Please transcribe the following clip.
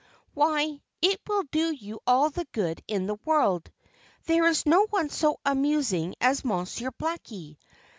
Why, it will do you all the good in the world! There is no one so amusing as Monsieur Blackie.